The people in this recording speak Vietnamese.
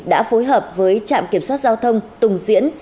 đã phối hợp với trạm kiểm soát giao thông tùng diễn